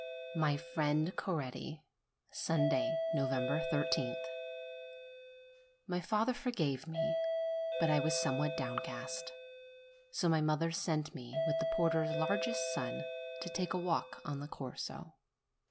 MY FRIEND CORETTI Sunday, I3th. My father forgave me; but I was somewhat down cast. So my mother sent me, with the porter's largest son, to take a walk on the Corso.